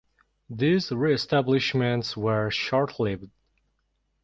These re-establishments were short lived.